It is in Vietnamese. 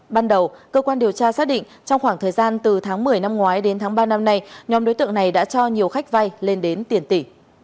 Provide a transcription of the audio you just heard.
ban đầu cơ quan điều tra xác định trong khoảng thời gian từ tháng một mươi năm ngoái đến tháng ba năm nay nhóm đối tượng này đã cho nhiều khách vay lên đến tiền tỷ